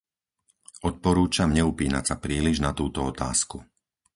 Odporúčam, neupínať sa príliš na túto otázku.